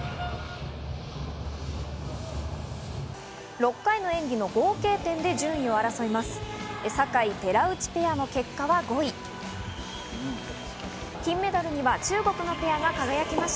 ６回の演技の合計点で順位を争います。